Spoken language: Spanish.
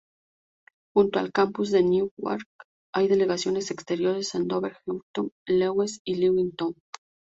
Junto al campus en Newark hay delegaciones exteriores en Dover, Georgetown, Lewes y Wilmington.